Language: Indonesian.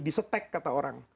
di setek kata orang